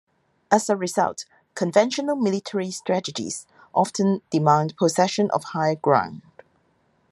As a result, conventional military strategies often demand possession of high ground.